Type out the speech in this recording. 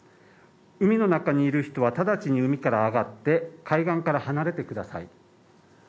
海の中にいる人は直ちに海から上がって海岸から離れてください。